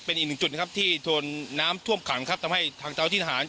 เป็นอีกหนึ่งจุดนะครับที่โดนน้ำท่วมขังครับทำให้ทางเจ้าที่ทหาร